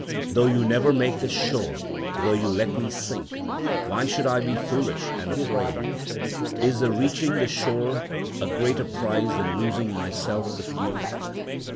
Though you never make the shore, though you let me sink, why should I be foolish and afraid? Is the reaching the shore a greater prize than losing myself with you?